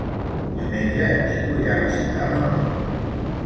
Diumenge en Nico irà a visitar mon oncle.